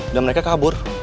dan mereka kabur